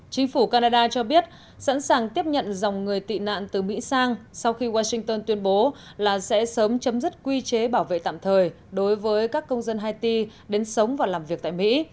chính phủ canada cho biết sẵn sàng tiếp nhận dòng người tị nạn từ mỹ sang sau khi washington tuyên bố là sẽ sớm chấm dứt quy chế bảo vệ tạm thời đối với các công dân haiti đến sống và làm việc tại mỹ